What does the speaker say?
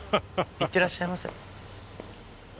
いってらっしゃいませ。